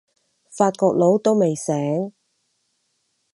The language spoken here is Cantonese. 法國佬都未醒